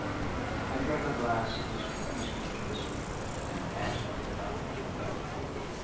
I drank a glass of Mr. Easton's whiskey, and asked about the General.